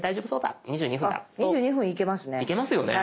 あっ２２分いけますね。